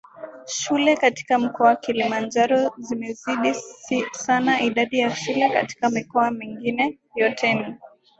shule katika mkoa Kilimanjaro zimezidi sana idadi ya shule katika mikoa mingine yoteNi